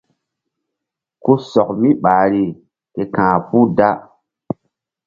Ku sɔk mi ɓahri ke ka̧h puh da.